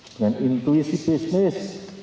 dengan intuisi bisnis